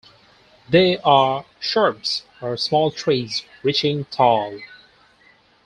They are shrubs or small trees, reaching tall.